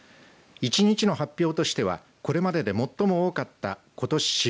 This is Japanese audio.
１日の発表としてはこれまでで最も多かったことし